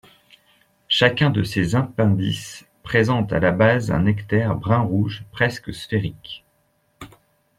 Chacun de ces appendices présente à la base un nectaire brun-rouge presque sphérique.